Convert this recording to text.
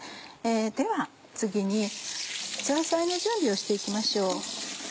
では次にザーサイの準備をして行きましょう。